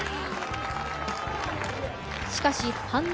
しかし阪